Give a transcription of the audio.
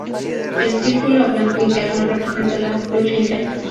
El círculo blanco interno representa la "lucha eterna".